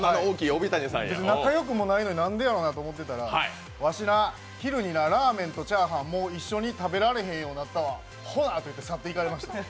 仲よくもないのに、なんでやろと思ってたらわしな、昼にラーメンとチャーハン一緒に食べれんようになったわとほなって言って去って行かれました。